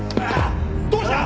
どうした！？